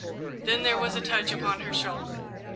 Then there was a touch upon her shoulder.